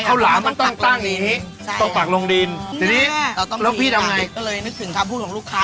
เสร็จแล้วนักนี้ทิ้งเลย